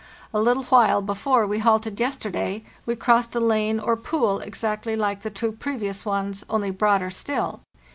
A little while before we halted yesterday we crossed a lane or pool exactly like the two previous ones, only broader still.